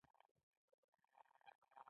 د پوهنتون څانګې د انتخاب مهم پړاو دی.